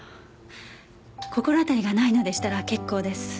心当たりがないのでしたら結構です。